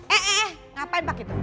eh eh eh ngapain pak gitu